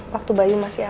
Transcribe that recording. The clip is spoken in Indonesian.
waktu bayu masih ada